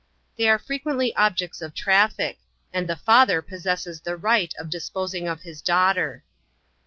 They are fre quently objects of traffic; and the father possesses the right of disposing of his daughter.